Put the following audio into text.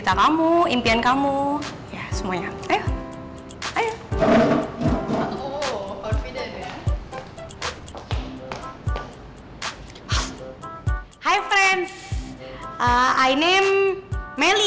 hai teman teman nama saya melly